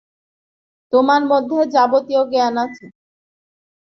তোমারই মধ্যে যাবতীয় জ্ঞান আছে।